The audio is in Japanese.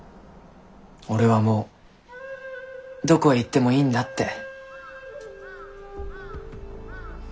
俺はもうどこへ行ってもいいんだって。